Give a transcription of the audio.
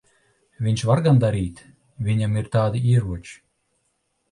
Viņš var gan darīt. Viņam ir tādi ieroči.